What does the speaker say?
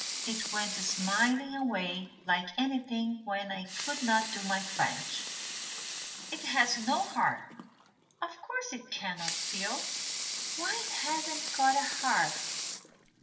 It went smiling away like anything when I could not do my French." "It has no heart. Of course it can't feel." "Why hasn't it got a heart?"